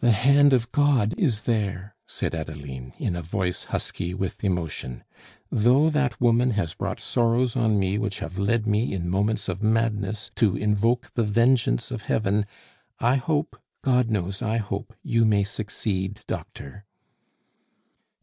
"The hand of God is there!" said Adeline, in a voice husky with emotion. "Though that woman has brought sorrows on me which have led me in moments of madness to invoke the vengeance of Heaven, I hope God knows I hope you may succeed, doctor."